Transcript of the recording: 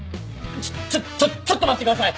ちょちょちょっちょっと待ってください！